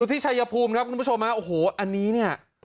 หลุดที่ชัยภูมิครับอันนี้เนี่ย